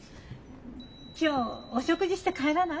今日お食事して帰らない？